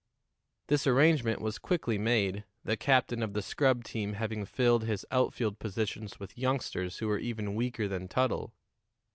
This arrangement was quickly made, the captain of the scrub team having filled his outfield positions with youngsters who were even weaker than Tuttle.